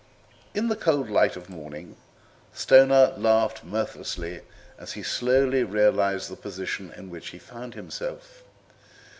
In the cold light of morning Stoner laughed mirthlessly as he slowly realized the position in which he found himself.